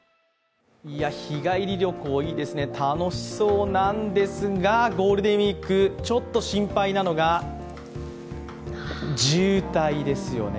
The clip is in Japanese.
日帰り旅行、いいですね、楽しそうなんですが、ゴールデンウイーク、ちょっと心配なのが渋滞ですよね。